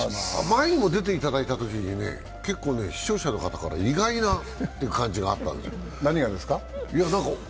前にも出ていただいたときに、視聴者の方から意外なという感じがあったんですよ。